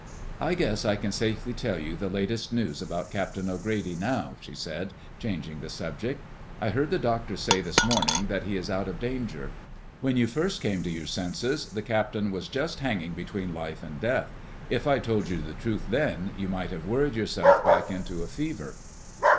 "I guess I can safely tell you the latest news about Captain O'Grady now," she said, changing the subject. "I heard the doctor say this morning that he is out of danger. When you first came to your senses the captain was just hanging between life and death. If I'd told you the truth then, you might have worried yourself back into a fever."